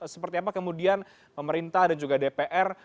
seperti apa kemudian pemerintah dan juga dpr